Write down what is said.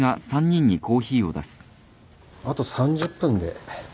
あと３０分で。